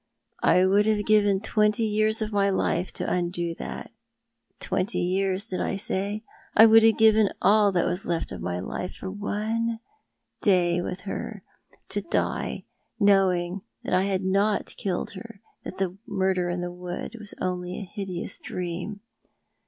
I would have given twenty years of my life to undo that— twenty years, did I say?— I would have given all that was left of my life for one day with her— to die, knowing that I had not killed her — that the murder in the wood was only a hideous dream.